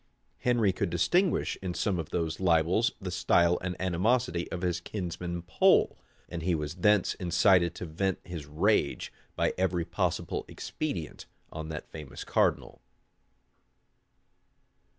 Henry could distinguish in some of these libels the style and animosity of his kinsman Pole; and he was thence incited to vent his rage, by every possible expedient, on that famous cardinal.